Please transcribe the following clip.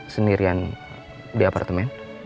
sendirian di apartemen